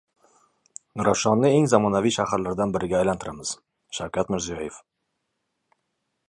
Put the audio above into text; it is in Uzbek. Nurafshonni eng zamonaviy shaharlardan biriga aylantiramiz - Shavkat Mirziyoyev